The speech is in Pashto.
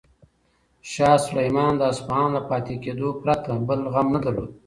شاه سلیمان د اصفهان له پاتې کېدو پرته بل غم نه درلود.